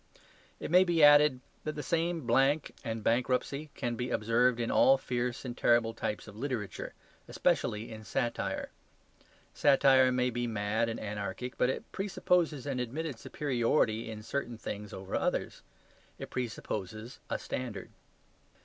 It may be added that the same blank and bankruptcy can be observed in all fierce and terrible types of literature, especially in satire. Satire may be mad and anarchic, but it presupposes an admitted superiority in certain things over others; it presupposes a standard.